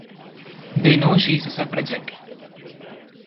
They know she’s a suffragette.